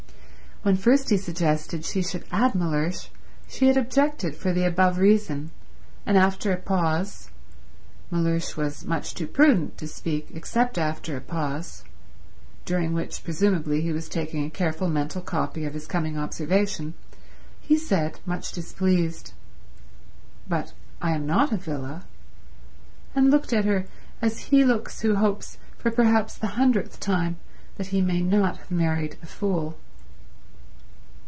When first he suggested she should add Mellersh she had objected for the above reason, and after a pause—Mellersh was much too prudent to speak except after a pause, during which presumably he was taking a careful mental copy of his coming observation—he said, much displeased, "But I am not a villa," and looked at her as he looks who hopes, for perhaps the hundredth time, that he may not have married a fool.